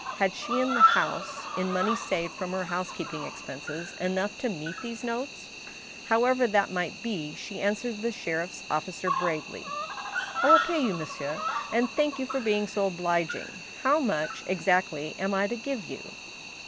Had she in the house, in money saved from her housekeeping expenses, enough to meet these notes? However that might be, she answered the sheriff's officer bravely :" I will pay you, monsieur, and thank you for being so obliging. How much, exactly, am I to give you